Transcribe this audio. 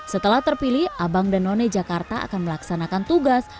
setelah terpilih abang dan none jakarta akan melaksanakan tugas